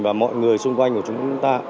và mọi người xung quanh của chúng ta